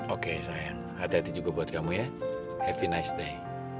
oke sayang hati hati juga buat kamu ya have a nice day